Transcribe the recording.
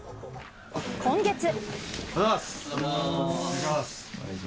今月。